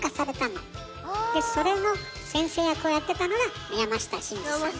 でそれの先生役をやってたのが山下真司さんなの。